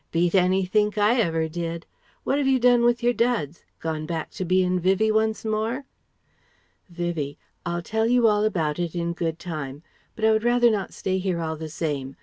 Beat anythink I ever did. What have you done with your duds? Gone back to bein' Vivie once more? " Vivie: "I'll tell you all about it in good time. But I would rather not stay here all the same.